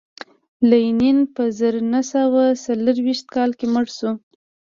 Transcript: لینین په زر نه سوه څلرویشت کال کې مړ شو